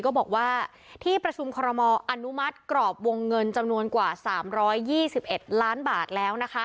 ก็บอกว่าที่ประชุมคอรมออนุมัติกรอบวงเงินจำนวนกว่า๓๒๑ล้านบาทแล้วนะคะ